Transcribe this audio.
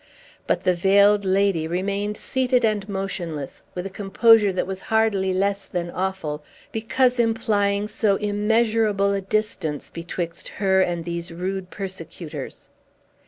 But the Veiled Lady remained seated and motionless, with a composure that was hardly less than awful, because implying so immeasurable a distance betwixt her and these rude persecutors.